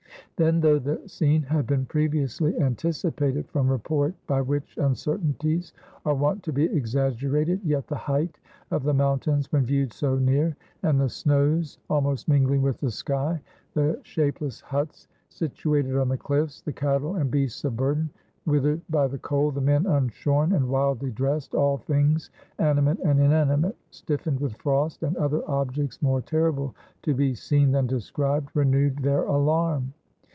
Then, though the scene had been previously anticipated from report (by which un certainties are wont to be exaggerated), yet the height of the mountains when viewed so near, and the snows almost mingHng with the sky, the shapeless huts situ ated on the cHffs, the cattle and beasts of burden with ered by the cold, the men unshorn and wildly dressed, all things, animate and inanimate, stiffened with frost, and other objects more terrible to be seen than described, renewed their alarm.